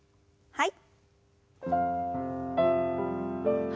はい。